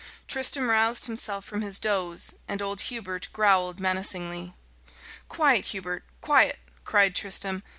Tristram roused himself from his doze, and old Hubert growled menacingly. "Quiet, Hubert quiet!" cried Tristram.